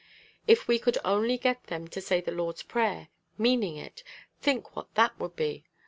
If we could only get them to say the Lord's prayer, meaning it, think what that would be!